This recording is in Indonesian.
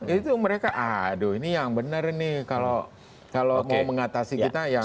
itu mereka aduh ini yang benar nih kalau mau mengatasi kita ya